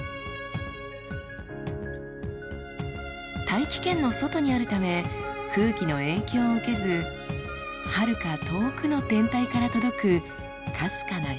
大気圏の外にあるため空気の影響を受けずはるか遠くの天体から届くかすかな光も逃しません。